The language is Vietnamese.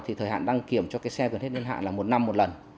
thì thời hạn đăng kiểm cho cái xe gần hết niên hạn là một năm một lần